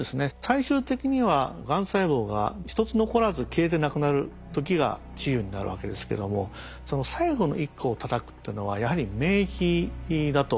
最終的にはがん細胞が一つ残らず消えてなくなる時が治癒になるわけですけどもその最後の一個をたたくっていうのはやはり免疫だと思います。